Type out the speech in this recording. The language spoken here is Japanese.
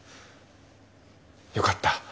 よかった。